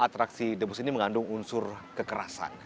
atraksi debus ini mengandung unsur kekerasan